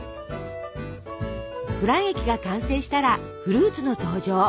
フラン液が完成したらフルーツの登場。